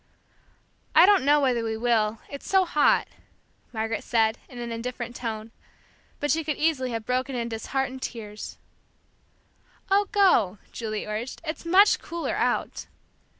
"I don't know whether we will, it's so hot," Margaret said, in an indifferent tone, but she could easily have broken into disheartened tears. "Oh, go," Julie urged, "it's much cooler out."